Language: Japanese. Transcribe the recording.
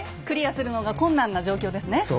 クリアするのが困難な状況ですね。